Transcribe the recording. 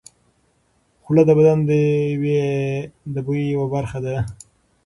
خوله د بدن د بوی یوه برخه ده.